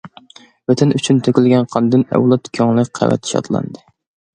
ۋەتەن ئۈچۈن تۆكۈلگەن قاندىن، ئەۋلاد كۆڭلى قەۋەت شادلاندى!